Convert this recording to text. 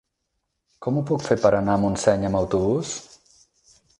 Com ho puc fer per anar a Montseny amb autobús?